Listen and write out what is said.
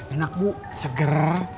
enak bu seger